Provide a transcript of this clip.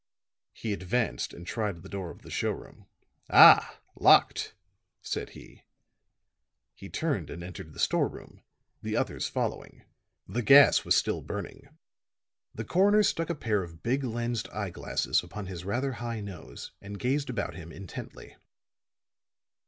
He advanced and tried the door of the show room. "Ah, locked!" said he. He turned and entered the store room, the others following. The gas was still burning; the coroner stuck a pair of big lensed eyeglasses upon his rather high nose and gazed about him intently.